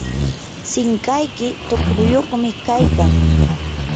sinqayki tuqruyuqmi kaykan.